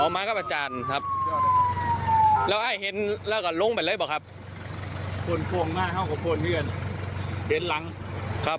อ๋อมาครับอาจารย์ครับแล้วไอ้เห็นแล้วก็ลงไปเลยหรือเปล่าครับ